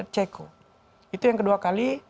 ceko itu yang kedua kali